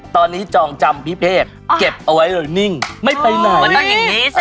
ตอนนี้จองจำพิเภกเก็บเอาไว้เลยนิ่งไม่ไปไหน